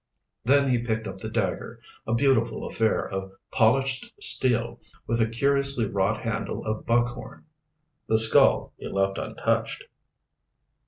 Then he picked up the dagger, a beautiful affair of polished steel with a curiously wrought handle of buckhorn. The skull he left untouched.